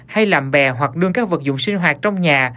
hay làm bè hoặc đưa các vật dụng sinh hoạt trong nhà